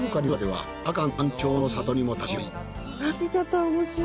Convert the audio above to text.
はい。